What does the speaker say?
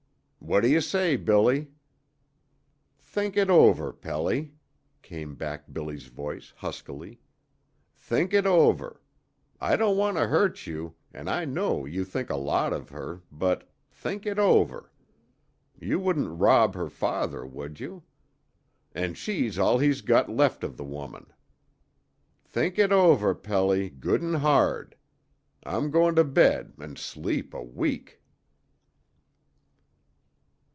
"What do you say, Billy?" "Think it over, Pelly," came back Billy's voice, huskily. "Think it over. I don't want to hurt you, and I know you think a lot of her, but think it over. You wouldn't rob her father, would you? An' she's all he's got left of the woman. Think it over, Pelly, good 'n' hard. I'm going to bed an' sleep a week!"